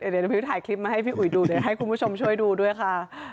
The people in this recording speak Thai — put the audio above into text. เดี๋ยวน้องพิวถ่ายคลิปมาให้พี่อุ๋ยดูเดี๋ยวให้คุณผู้ชมช่วยดูด้วยค่ะ